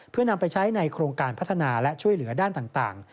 เพื่อนำไปใช้ในโครงการพัฒนาและช่วยเหลือด้านต่าง